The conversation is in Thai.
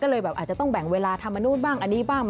ก็เลยแบบอาจจะต้องแบ่งเวลาทำอันนู้นบ้างอันนี้บ้าง